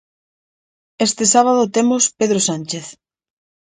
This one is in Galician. Este sábado temos Pedro Sánchez.